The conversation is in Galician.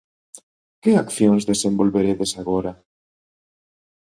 Que accións desenvolveredes agora?